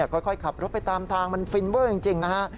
ค่อยขับรถไปตามทางมันฟินเวอร์จริงนะฮะ